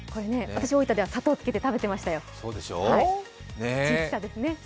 私、大分では砂糖をつけて食べていましたよ。